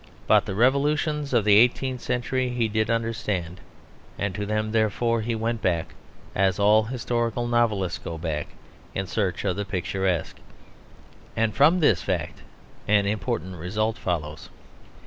But the revolutions of the eighteenth century he did understand; and to them therefore he went back, as all historical novelists go back, in search of the picturesque. And from this fact an important result follows.